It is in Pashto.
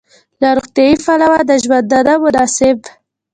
له روغتیايي پلوه د ژوندانه مناسب